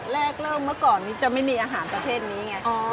แรกเริ่มเมื่อก่อนนี้จะไม่มีอาหารประเภทนี้ไง